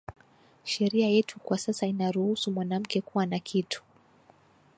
Sheria yetu kwa sasa inaruusu mwanamuke kuwa na kitu